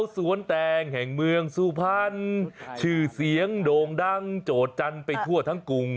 สวนแตงแห่งเมืองสุพรรณชื่อเสียงโด่งดังโจทย์จันทร์ไปทั่วทั้งกรุง